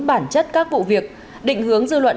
bản chất các vụ việc định hướng dư luận